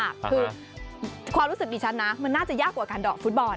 คือความรู้สึกดิฉันนะมันน่าจะยากกว่าการดอกฟุตบอล